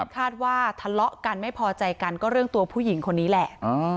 คาดว่าทะเลาะกันไม่พอใจกันก็เรื่องตัวผู้หญิงคนนี้แหละ